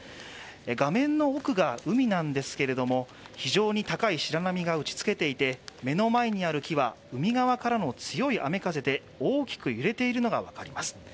画面の奥が海なんですけれども非常に高い白波が打ちつけていて、海側からの強い雨風で大きく揺れているのが分かります。